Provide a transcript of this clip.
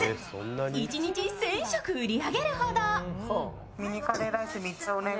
１日１０００食売り上げるほど。